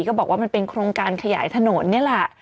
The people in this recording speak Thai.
ก็บอกว่ามันเป็นโครงการขยายถนนนี่แหละ